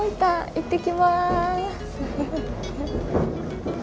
行ってきます。